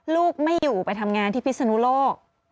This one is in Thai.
ลูกไม่อยู่ไปทำงานที่พิศนุโลก